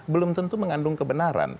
belum tentu mengandung kebenaran